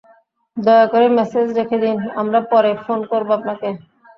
দয়া করে মেসেজ রেখে দিন, আমরা পরে ফোন করবো আপনাকে।